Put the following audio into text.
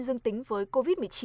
dương tính với covid một mươi chín